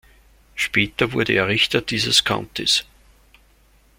Später wurde er Richter dieses Countys.